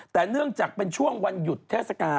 แต่เนื่องจากเป็นช่วงวันหยุดเทศกาล